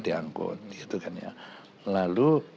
dianggur gitu kan ya lalu